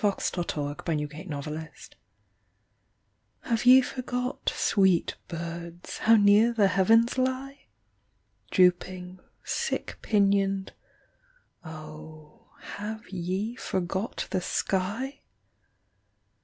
MY BIRDS THAT FLY NO LONGER Have ye forgot, sweet birds, How near the heavens lie? Drooping, sick pinion d, oh Have ye forgot the sky?